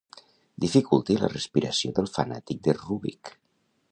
Dificulti la respiració del fanàtic de Rübik.